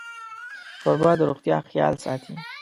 کوربه د روغتیا خیال ساتي.